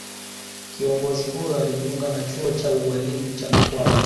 Kiongozi huyo alijiunga na chuo cha ualimu cha Mkwawa